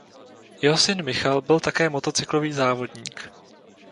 Jeho syn Michal byl také motocyklový závodník.